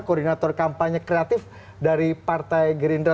koordinator kampanye kreatif dari partai gerindra